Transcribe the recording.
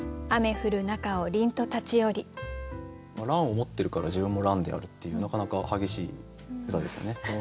蘭を持ってるから自分も蘭であるっていうなかなか激しい歌ですよね。